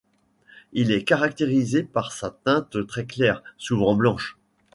Il est caractérisé par sa teinte très claire, souvent blanche.